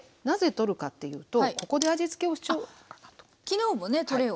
なぜ取るかっていうとここで味付けをしちゃおうかなと。